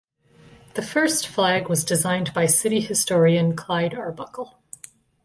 The first flag was designed by city historian Clyde Arbuckle.